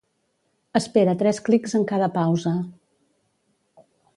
Espera tres clics en cada pausa.